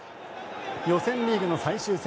予選リーグの最終戦。